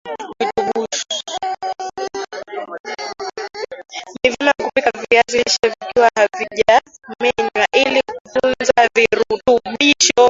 ni nyema kupika viazi lishe vikiwa havija menywa ili kutunza virutubisho